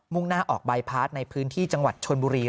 ่งหน้าออกบายพาร์ทในพื้นที่จังหวัดชนบุรี